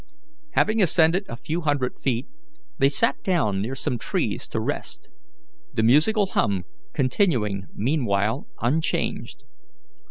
Having ascended a few hundred feet, they sat down near some trees to rest, the musical hum continuing meanwhile unchanged.